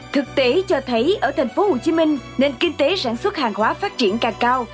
thực tế cho thấy ở tp hcm nền kinh tế sản xuất hàng hóa phát triển càng cao